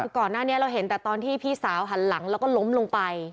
คือก่อนหน้านี้เราเห็นแต่ตอนที่พี่สาวหันหลังแล้วก็ล้มลงไป